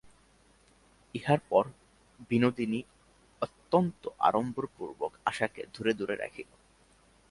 ইহার পর বিনোদিনী অত্যন্ত আড়ম্বরপূর্বক আশাকে দূরে দূরে রাখিল।